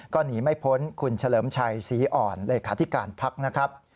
ก็หนีไม่พ้นคุณเฉลิมชัยศรีอ่อนเลขาธิการพักนะครับ